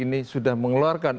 ini sudah mengeluarkan